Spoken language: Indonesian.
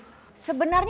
itu apa yang terjadi